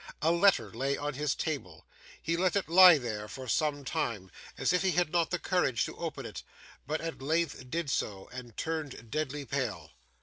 A letter lay on his table. He let it lie there for some time, as if he had not the courage to open it, but at length did so and turned deadly pale.